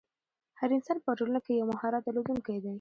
هر انسان په ټولنه کښي د یو مهارت درلودونکی دئ.